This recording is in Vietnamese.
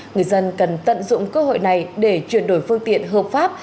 người dân cần tận dụng cơ hội này để chuyển đổi phương tiện hợp pháp